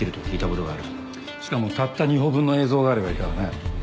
しかもたった２歩分の映像があればいいからね。